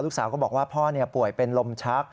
ลูกสาวก็บอกว่าพ่อป่วยเป็นลมชัก